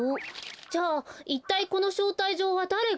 じゃいったいこのしょうたいじょうはだれが？